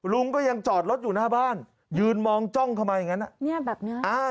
ลุงก็ยังจอดรถอยู่หน้าบ้านยืนมองจ้องเข้ามาอย่างนั้น